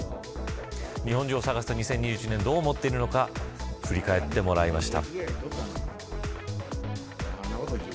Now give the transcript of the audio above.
日本中を騒がせた２０２１年どう思っているのか振り返ってもらいました。